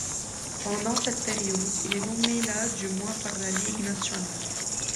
Pendant cette période, il est nommé la du mois par la ligue nationale.